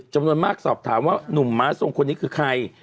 สอบถามว่าหนุ่มม้าทรงคนนี้คือใคร